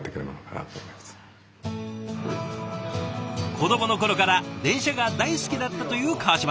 子どもの頃から電車が大好きだったという川島さん。